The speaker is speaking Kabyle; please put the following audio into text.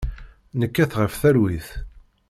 Nekkat ɣef talwit.